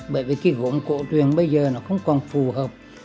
bởi vì cái gốm cổ truyền bây giờ nó không còn phù hợp